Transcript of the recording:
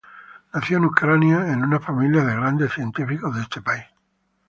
Nació en Ucrania en una familia de grandes científicos de este país.